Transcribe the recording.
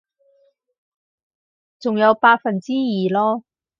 仲有百分之二囉